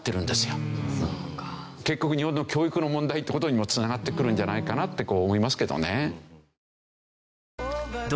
結局日本の教育の問題って事にも繋がってくるんじゃないかなってこう思いますけどね。